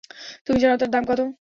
তুমি জানো তার দাম কত?